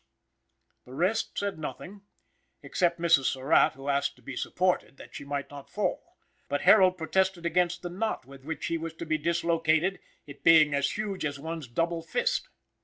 The rest said nothing, except Mrs. Surratt, who asked to be supported, that she might not fall, but Harold protested against the knot with which he was to be dislocated, it being as huge as one's double fist.